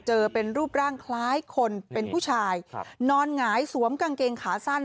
เจอเป็นรูปร่างคล้ายคนเป็นผู้ชายนอนหงายสวมกางเกงขาสั้น